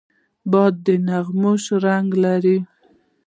باد د نغمو شرنګ لري